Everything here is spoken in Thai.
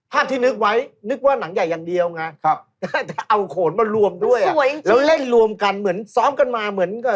พาดที่นึกไว้นึกว่านังใหญ่อย่างเดียวไงถ้าเอาขนมารวมด้วยแล้วเล่นรวมกันเหมือนซ้อมกันมา